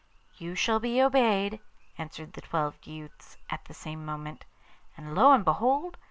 'You shall be obeyed,' answered the twelve youths at the same moment. And lo and behold!